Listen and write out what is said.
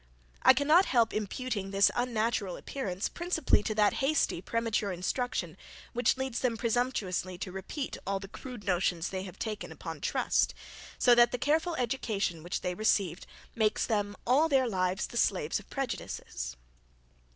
I cannot help imputing this unnatural appearance principally to that hasty premature instruction, which leads them presumptuously to repeat all the crude notions they have taken upon trust, so that the careful education which they received, makes them all their lives the slaves of prejudices.